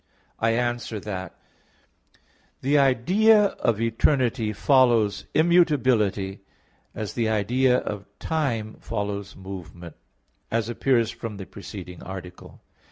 I answer that, The idea of eternity follows immutability, as the idea of time follows movement, as appears from the preceding article.